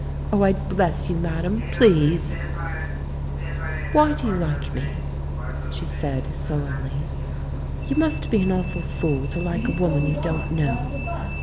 Oh, I'd bless you, madame! Please 1" "Why do you like me?" she said sullenly. "You must be an awful fool to like a woman you don't know